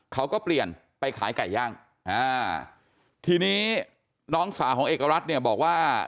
เขาก็เปลี่ยนไปขายไก่ย่างอ่าทีนี้น้องสาวของเอกรัฐเนี่ยบอกว่า